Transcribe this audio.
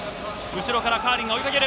後ろからカーリンが追いかける！